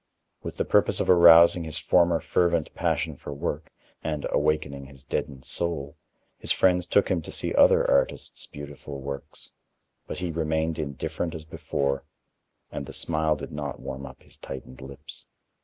With the purpose of arousing his former fervent passion for work and, awakening his deadened soul, his friends took him to see other artists' beautiful works, but he remained indifferent as before, and the smile did not warm up his tightened lips.